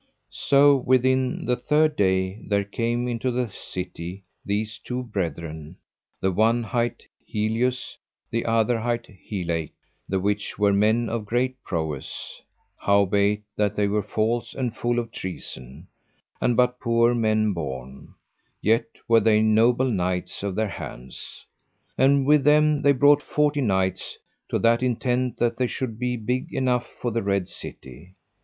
So within the third day there came to the city these two brethren, the one hight Helius, the other hight Helake, the which were men of great prowess; howbeit that they were false and full of treason, and but poor men born, yet were they noble knights of their hands. And with them they brought forty knights, to that intent that they should be big enough for the Red City.